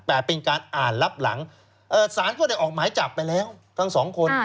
แต่เป็นการอ่านรับหลังสารก็ได้ออกหมายจับไปแล้วทั้งสองคน